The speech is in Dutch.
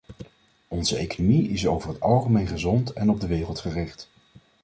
Onze economie is over het algemeen gezond en op de wereld gericht.